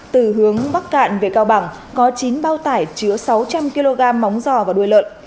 từ hướng bắc cạn về cao bằng có chín bao tải chứa sáu trăm linh kg móng giò và đuôi lợn